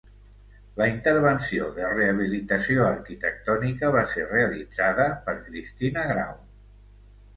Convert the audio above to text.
La intervenció de rehabilitació arquitectònica va ser realitzada per Cristina Grau.